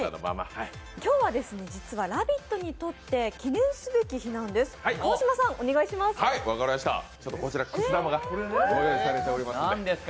今日は実は「ラヴィット！」にとって記念すべき日なんです。